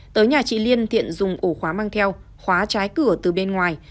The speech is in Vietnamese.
tới nhà chị liên thiện dùng ổ khóa mang theo khóa trái cửa từ bên ngoài